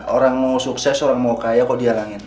orang mau sukses orang mau kaya kok dihalangin